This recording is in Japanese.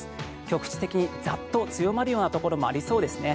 局地的にザッと強まるようなところもありそうですね。